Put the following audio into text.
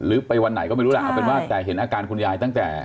หรือไปวันไหนก็ไม่รู้ล่ะเป็นว่าแกเห็นอาการคุณยายตั้งแต่